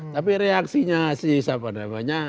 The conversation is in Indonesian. tapi reaksinya si siapa namanya